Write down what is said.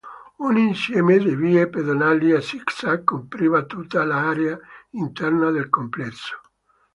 Un insieme di vie pedonali a zig-zag copriva tutta l'area interna del complesso.